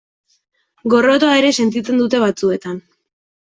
Gorrotoa ere sentitzen dute batzuetan.